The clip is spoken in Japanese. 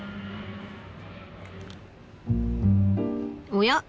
おや？